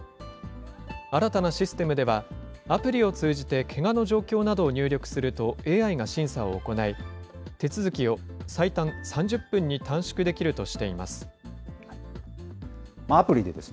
新たなシステムでは、アプリを通じてけがの状況などを入力すると、ＡＩが審査を行い、手続きを最短３０分に短縮できるとしています。